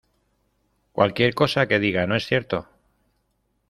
¡ Cualquier cosa que diga, no es cierto!